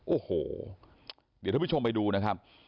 โอ้โหเดี๋ยวท่านผู้ชมไปดูนะครับ